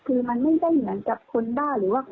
อืมนี่ค่ะ